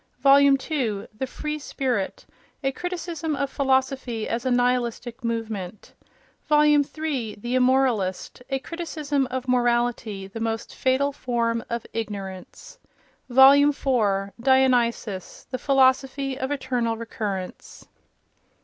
Vol. II. The Free Spirit: a Criticism of Philosophy as a Nihilistic Movement. Vol. III. The Immoralist: a Criticism of Morality, the Most Fatal Form of Ignorance. Vol. IV. Dionysus: the Philosophy of Eternal Recurrence.